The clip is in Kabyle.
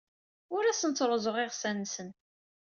Ur asent-ttruẓuɣ iɣsan-nsent.